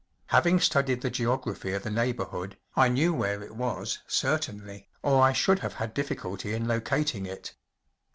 Having studied the geography of the neighbourhood, L knew where it was, certainly, or I should have had difficulty in locating it.